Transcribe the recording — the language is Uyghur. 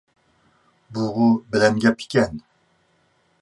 بۇغۇ بەلەن گەپ ئىكەن.